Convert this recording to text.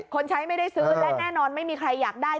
คนใช้ไม่ได้ซื้อและแน่นอนไม่มีใครอยากได้